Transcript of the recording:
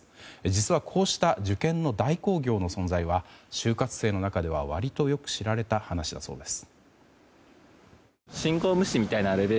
実は、こうした受験の代行業の存在は就活生の中では割とよく知られた話だそうです。